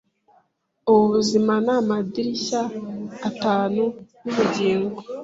Ubu buzima nama dirishya atanu yubugingo